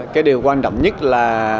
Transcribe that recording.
cái điều quan trọng nhất là